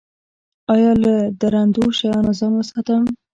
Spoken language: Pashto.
ایا له درندو شیانو ځان وساتم؟